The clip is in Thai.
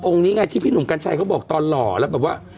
นี้ไงที่พี่หนุ่มกัญชัยเขาบอกตอนหล่อแล้วแบบว่า